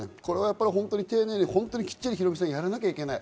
丁寧に本当にきっちりやらなきゃいけない。